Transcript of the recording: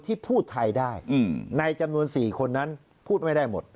ที่พูดไทยได้ในจำนวน๔คนนั้นพูดไม่ได้หมด